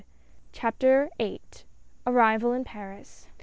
65 CHAPTER VIII. ARRIVAL IN PARIS.